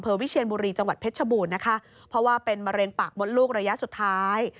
เพราะว่าเป็นมะเร็งปากมดลูกระยะสุดท้าย